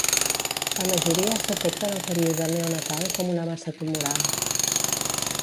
La majoria es detecten al període neonatal com una massa tumoral.